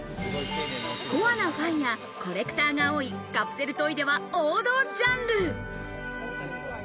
コアなファンやコレクターが多いカプセルトイでは、王道ジャンル。